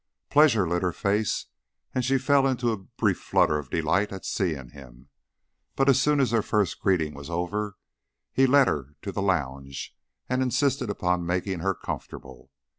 Pleasure lit her face, and she fell into a brief flutter of delight at seeing him; but as soon as their first greeting was over he led her to her lounge and insisted upon making her comfortable.